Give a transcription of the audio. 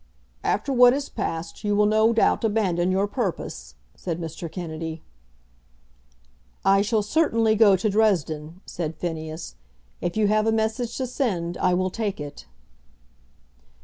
"After what has passed, you will no doubt abandon your purpose," said Mr. Kennedy. "I shall certainly go to Dresden," said Phineas. "If you have a message to send, I will take it."